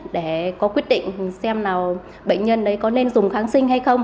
để có quyết định xem là bệnh nhân đấy có nên dùng kháng sinh hay không